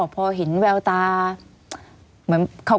ไม่มีครับไม่มีครับ